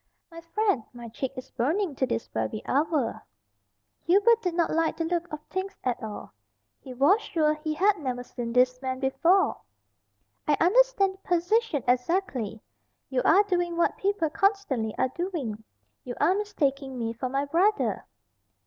"My friend, my cheek is burning to this very hour." Hubert did not like the look of things at all. He was sure he had never seen these men before. "I understand the position exactly. You are doing what people constantly are doing you are mistaking me for my brother."